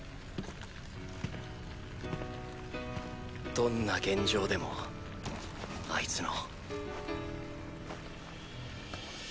どんな現場でもあいつの